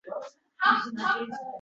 “O’zim?”